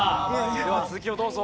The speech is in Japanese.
では続きをどうぞ。